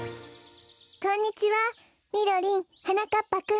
こんにちはみろりんはなかっぱくん。